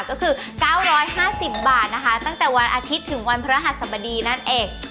ก็คือ๙๕๐บาทนะคะตั้งแต่วันอาทิตย์ถึงวันพระหัสบดีนั่นเอง